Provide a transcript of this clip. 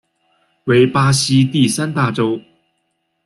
为巴西第三大州。